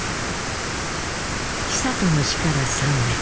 久渡の死から３年。